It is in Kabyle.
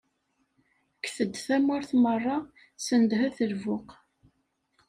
Kket-d tamurt meṛṛa, sendeht lbuq.